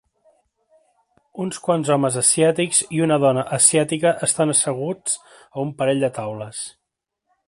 Uns quants homes asiàtics i una dona asiàtica estan asseguts a un parell de taules.